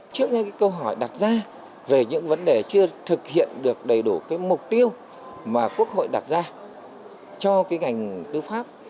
trước khi câu hỏi đặt ra về những vấn đề chưa thực hiện được đầy đủ mục tiêu mà quốc hội đặt ra cho ngành tư pháp